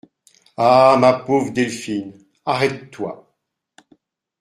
Ah ! ma pauvre Delphine, arrête-toi.